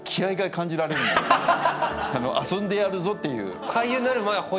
遊んでやるぞっていう。